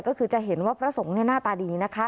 ก็คือจะเห็นว่าพระสงฆ์หน้าตาดีนะคะ